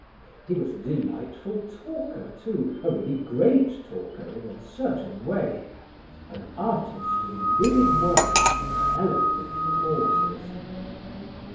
He was a delightful talker, too, a really great talker in a certain way an artist in vivid words and eloquent pauses.